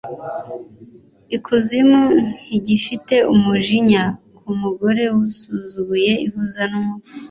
ikuzimu ntigifite umujinya nkumugore wasuzuguwe ihuza numugani